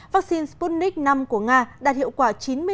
vaccine sputnik v của nga đạt hiệu quả chín mươi năm